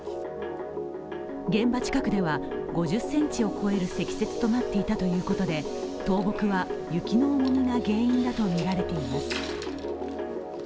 現場近くでは５０ｃｍを超える積雪となっていたということで倒木は雪の重みが原因だとみられています。